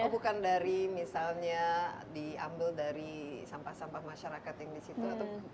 oh bukan dari misalnya diambil dari sampah sampah masyarakat yang di situ atau